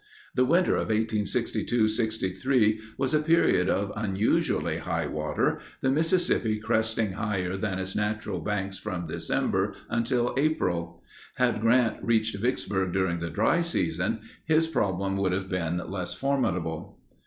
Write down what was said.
The winter of 1862 63 was a period of unusually high water, the Mississippi cresting higher than its natural banks from December until April. Had Grant reached Vicksburg during the dry season, his problem would have been less formidable.